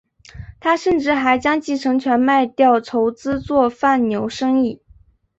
他甚至还将继承权卖掉筹资做贩牛生意。